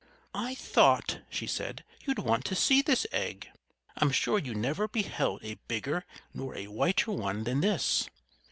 "I thought," she said, "you'd want to see this egg. I'm sure you never beheld a bigger nor a whiter one than this."